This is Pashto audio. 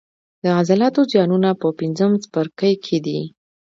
د عضلاتو زیانونه په پنځم څپرکي کې دي.